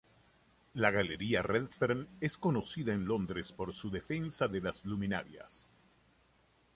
La Galería Redfern es conocida en Londres por su defensa de las luminarias.